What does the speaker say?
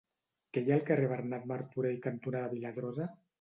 Què hi ha al carrer Bernat Martorell cantonada Viladrosa?